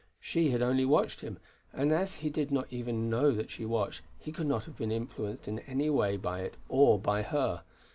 She had only watched him; and as he did not even know that she watched he could not have been influenced in any way by it or by her.